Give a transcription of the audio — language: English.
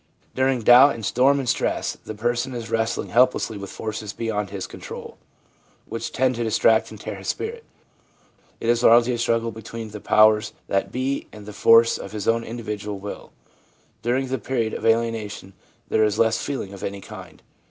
During doubt and storm and stress the person is wrestling helplessly with forces beyond his control, which tend to distract and tear his spirit. It is largely a struggle between the powers that be and the force of his own individual will. During the period of alienation there is less feeling of any kind.